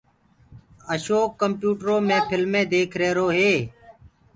اشوڪ ڪمپيوٽرو مي ڦلمينٚ ديک ريهرو هي